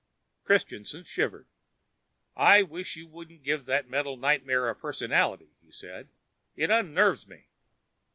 Christianson shivered. "I wish you wouldn't give that metal nightmare a personality," he said. "It unnerves me.